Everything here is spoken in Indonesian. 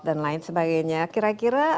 dan lain sebagainya kira kira